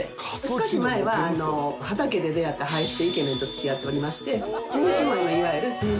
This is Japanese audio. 少し前はあの畑で出会ったハイスペイケメンと付き合っておりまして。